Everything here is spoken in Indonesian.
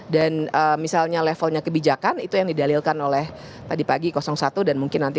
dan misalnya levelnya kebijakan itu yang didalilkan oleh tadi pagi satu dan mungkin nanti tiga